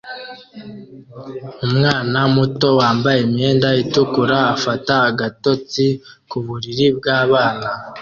Umwana muto wambaye imyenda itukura afata agatotsi ku buriri bwabana